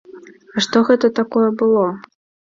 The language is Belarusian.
Што гэта такое было?